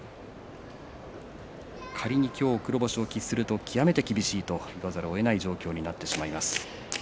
仮に今日、黒星を喫すると極めて厳しいと言わざるをえない状況になると思います。